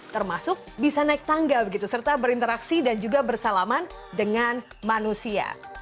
termasuk bisa naik tangga begitu serta berinteraksi dan juga bersalaman dengan manusia